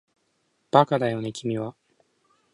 バカだよね君は